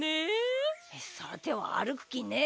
さてはあるくきねえだろ。